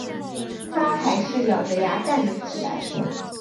她还是咬著牙站起身